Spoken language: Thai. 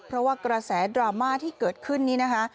เพราะว่ากระแสดราม่าที่เกิดขึ้นนี้นะคะ